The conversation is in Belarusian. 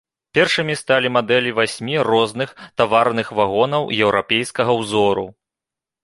Першымі сталі мадэлі васьмі розных таварных вагонаў еўрапейскага ўзору.